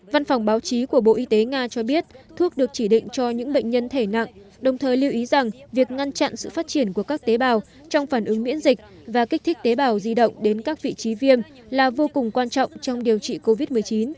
văn phòng báo chí của bộ y tế nga cho biết thuốc được chỉ định cho những bệnh nhân thể nặng đồng thời lưu ý rằng việc ngăn chặn sự phát triển của các tế bào trong phản ứng miễn dịch và kích thích tế bào di động đến các vị trí viêm là vô cùng quan trọng trong điều trị covid một mươi chín